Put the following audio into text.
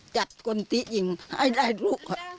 จัดคนที่ยิงให้ได้ลูก